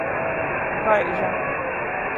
Kaiža.